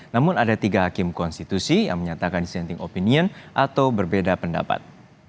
namun ada tiga hakim konstitusi yang menyatakan dissenting opinion atau berbeda pendapat